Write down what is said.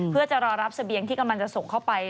เพื่อจะรอรับเสบียงที่กำลังจะส่งเข้าไป